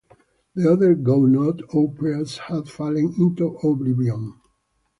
The other Gounod operas have fallen into oblivion.